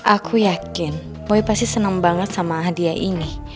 aku yakin boy pasti seneng banget sama hadiah ini